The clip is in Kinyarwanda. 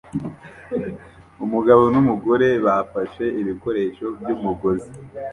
Umugabo numugore bafashe ibikoresho byumugozi